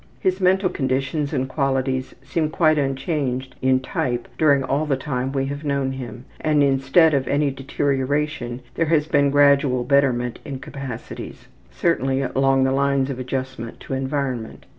His mental conditions and qualities seem quite unchanged in type during all the time we have known him, and instead of any deterioration there has been gradual betterment in capacities, certainly along the line of adjustment to environment.